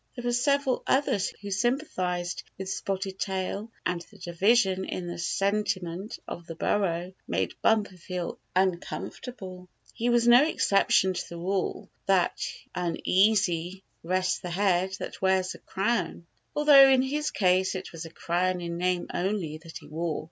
There were several others who sympathized with Spotted Tail, and the division in the senti ment of the burrow made Bumper feel imcom fortable. He was no exception to the rule that "uneasy rests the head that wears a crown", al though in his case it was a crown in name only, that he wore.